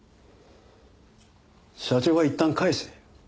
社長はいったん帰せ。